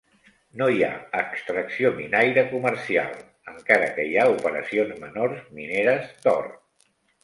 No hi ha extracció minaire comercial, encara que hi ha operacions menors mineres d'or.